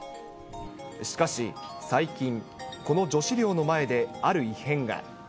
しかし、最近、この女子寮の前である異変が。